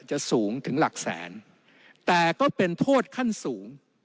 สูงถึงหลักแสนแต่ก็เป็นโทษขั้นสูง